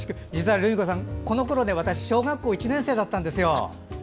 ルミ子さん、実は私、小学校１年生だったんですよ。